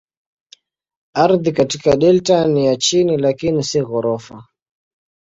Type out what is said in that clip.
Ardhi katika delta ni ya chini lakini si ghorofa.